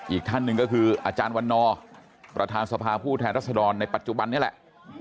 อีกท่านหนึ่งก็คืออาจารย์วันนอร์ประธานสภาผู้แทนรัศดรในปัจจุบันนี้แหละ